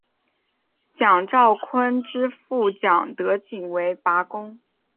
蒋兆鲲之父蒋德璟为拔贡。